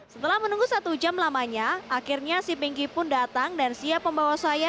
setelah menunggu satu jam lamanya akhirnya si pinky pun datang dan siap membawa saya